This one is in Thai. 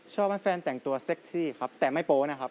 ชอบให้แฟนแต่งตัวเซคซี่แต่ไม่โปร